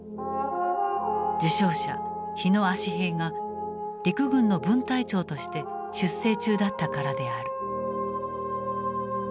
受賞者火野葦平が陸軍の分隊長として出征中だったからである。